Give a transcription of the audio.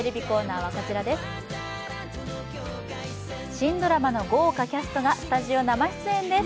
新ドラマの豪華キャストがスタジオ生出演です。